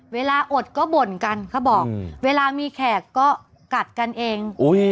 อดก็บ่นกันเขาบอกเวลามีแขกก็กัดกันเอง